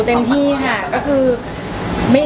อ๋อเต็มที่ค่ะ